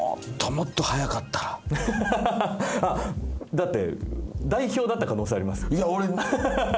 だって代表だった可能性ありますよ。